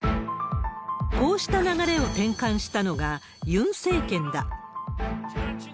こうした流れを転換したのが、ユン政権だ。